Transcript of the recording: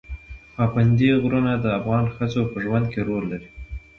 پابندی غرونه د افغان ښځو په ژوند کې رول لري.